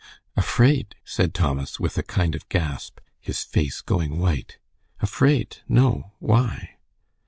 "Afraid!" said Thomas, with a kind of gasp, his face going white. "Afraid! No. Why?"